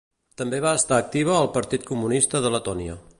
També va estar activa al Partit Comunista de Letònia.